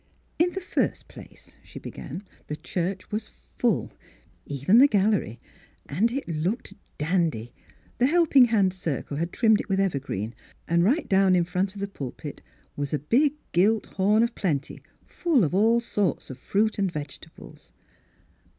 " In the first place," she began, " the church was full — even the gallery. And it looked dandy ; the Helping Hand Circle had trimmed it with evergreen, and right down in front of the pulpit was a big gilt horn of plenty full of all sorts of fruit and vegetables."